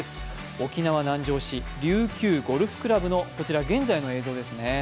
沖縄・南城市、琉球ゴルフ倶楽部の現在の映像ですね。